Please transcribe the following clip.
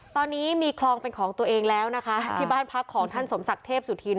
ตอนนี้มีคลองเป็นของตัวเองแล้วนะคะที่บ้านพักของท่านสมศักดิ์เทพสุธิน